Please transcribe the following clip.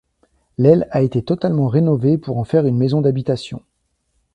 L'aile est a été totalement rénovée pour en faire une maison d'habitation.